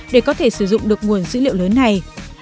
để có thể sử dụng được nguồn dữ liệu lớn này